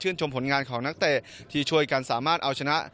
ชมผลงานของนักเตะที่ช่วยกันสามารถเอาชนะ